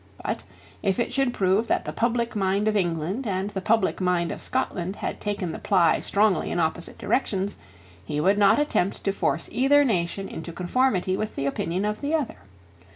But, if it should prove that the public mind of England and the public mind of Scotland had taken the ply strongly in opposite directions, he would not attempt to force either nation into conformity with the opinion of the other.